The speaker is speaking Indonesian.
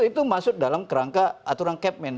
itu masuk dalam kerangka aturan capman